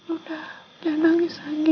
udah jangan nangis lagi